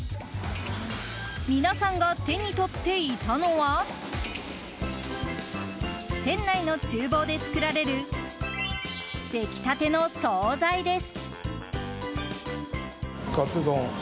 皆さんが手にとっていたのは店内の厨房で作られる出来たての総菜です。